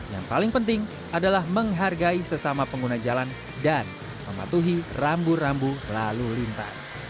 yang paling penting adalah menghargai sesama pengguna jalan dan mematuhi rambu rambu lalu lintas